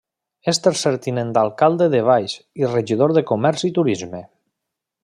És tercer tinent d'alcalde de Valls i regidor de Comerç i Turisme.